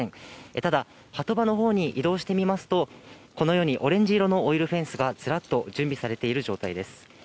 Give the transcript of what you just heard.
ただ波止場のほうに移動してみますと、オレンジ色のオイルフェンスがずらっと準備されている状態です。